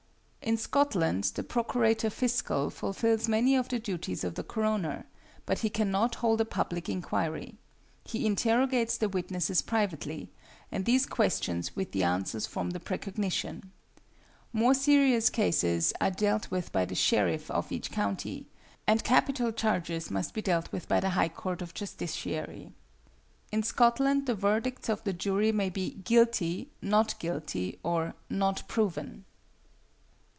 In Scotland the Procurator Fiscal fulfils many of the duties of the coroner, but he cannot hold a public inquiry. He interrogates the witnesses privately, and these questions with the answers form the precognition. More serious cases are dealt with by the Sheriff of each county, and capital charges must be dealt with by the High Court of Justiciary. In Scotland the verdicts of the jury may be 'guilty,' 'not guilty,' or 'not proven.'